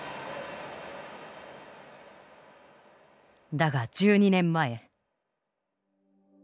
だが１２年前。